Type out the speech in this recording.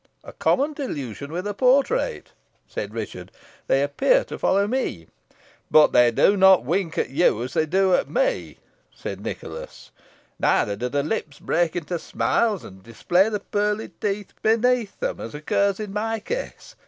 "A common delusion with a portrait," said Richard; "they appear to follow me." "But they do not wink at you as they do at me," said Nicholas, "neither do the lips break into smiles, and display the pearly teeth beneath them, as occurs in my case.